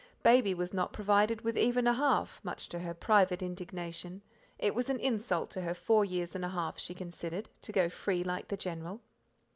Baby was not provided with even a half, much to her private indignation it was an insult to her four years and a half, she considered, to go free like the General.